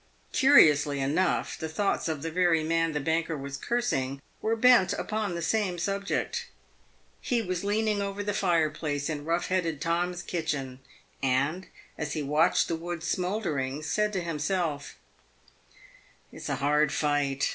Curiously enough, the thoughts of the very man the banker was cursing were bent upon the same subject. He was leaning over the fireplace in rough headed Tom's kitchen, and, as he watched the wood smouldering, said to himself, " It's a hard fight.